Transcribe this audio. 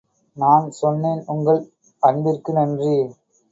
நான் சொன்னேன், உங்கள் அன்பிற்கு நன்றி.